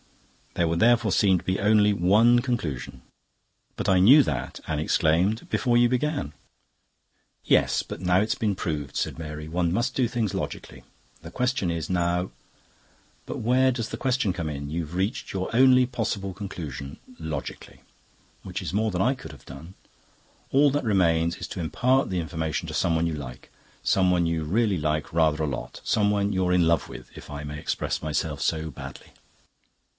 "There would therefore seem to be only one conclusion." "But I knew that," Anne exclaimed, "before you began." "Yes, but now it's been proved," said Mary. "One must do things logically. The question is now..." "But where does the question come in? You've reached your only possible conclusion logically, which is more than I could have done. All that remains is to impart the information to someone you like someone you like really rather a lot, someone you're in love with, if I may express myself so baldly."